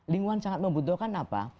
lingkungan sangat membutuhkan apa